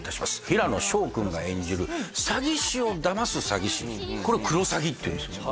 平野紫耀君が演じる詐欺師を騙す詐欺師これクロサギっていうんですよ